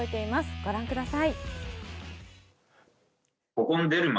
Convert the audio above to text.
ご覧ください。